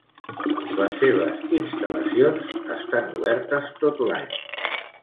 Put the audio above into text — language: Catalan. Les seves instal·lacions estan obertes tot l'any.